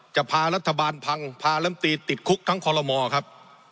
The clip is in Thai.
พารัฐบาลพังพาลำตีติดคุกทั้งคอลโลมอครับ